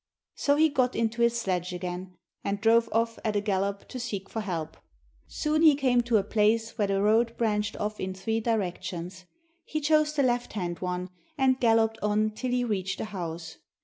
So he got into his sledge again, and drove off at a gallop to seek for help. Soon he came to a place where the road branched off in three directions. He chose the left hand one, and galloped on till he reached a house.